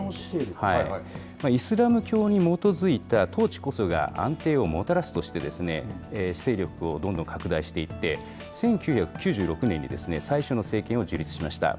イスラム教に基づいた統治こそが安定をもたらすとして、勢力をどんどん拡大していって、１９９６年に最初の政権を樹立しました。